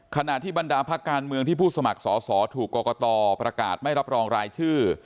ขณะที่บรรดาพักการเมืองที่ผู้สมัครสอสอถูกกรกตประกาศไม่รับรองรายชื่อ